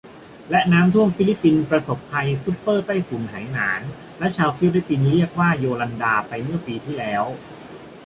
และน้ำท่วม ฟิลิปปินส์ประสบภัยซุปเปอร์ใต้ฝุ่นไหหนาน หรือชาวฟิลิปปินส์เรียกว่าโยลันดา ไปเมื่อปีที่แล้ว